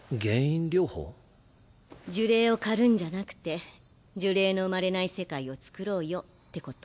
呪霊を狩るんじゃなくて呪霊の生まれない世界をつくろうよってこと。